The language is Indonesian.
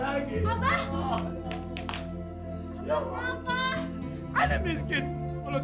ada tidak punya apa apa lagi